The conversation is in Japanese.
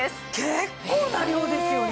結構な量ですよね。